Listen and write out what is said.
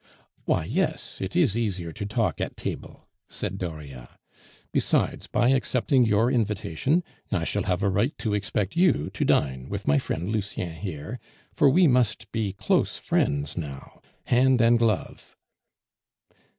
"Why, yes; it is easier to talk at table," said Dauriat. "Besides, by accepting your invitation I shall have a right to expect you to dine with my friend Lucien here, for we must be close friends now, hand and glove!"